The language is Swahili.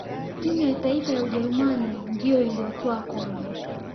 timu ya taifa ya ujerumani ndiyo iliyotwaa kombe